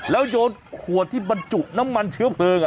แล้วโยนขวดที่บรรจุน้ำมันเชื้อเพลิง